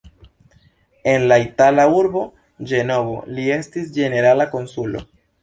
En la itala urbo Ĝenovo li estis ĝenerala konsulo.